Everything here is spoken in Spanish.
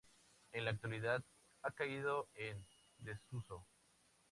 En la actualidad ha caído en desuso.